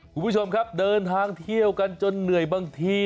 คุณผู้ชมครับเดินทางเที่ยวกันจนเหนื่อยบางที